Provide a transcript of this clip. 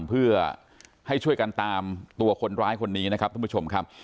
เพื่อให้ช่วยกันตามตัวคนร้ายคนนี้นะครับท่านผู้ชมครับ